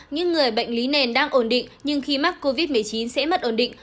những người bệnh lý nền đang ổn định nhưng khi mắc covid một mươi chín sẽ mất ổn định